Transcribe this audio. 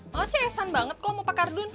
lo cesan banget kok sama pak kardun